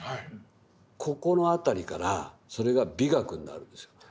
ここの辺りからそれが美学になるんですよ。